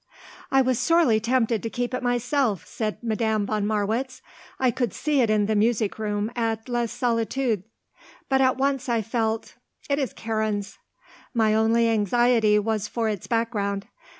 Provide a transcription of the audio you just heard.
"I was sorely tempted to keep it myself," said Madame von Marwitz. "I could see it in the music room at Les Solitudes. But at once I felt it is Karen's. My only anxiety was for its background.